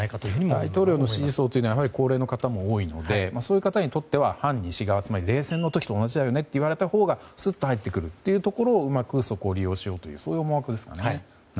大統領の支持層というのはやはり高齢の方も多いのでそういう方にとっては反西側、つまり冷戦の時と同じだよねと言われたほうがすっと入ってくるというところをうまく利用しようというそういう思惑ですかね。